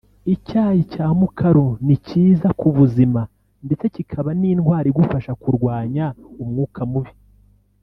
Icyayi cya mukaru ni cyiza ku buzima ndetse cyikaba n’intwaro igufasha kurwanya umwuka mubi